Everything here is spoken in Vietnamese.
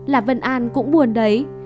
là vân an cũng buồn đấy